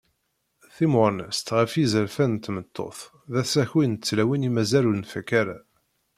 Timmuɣnest ɣef yizerfan n tmeṭṭut d asaki n tlawin i mazal ur nfaq ara.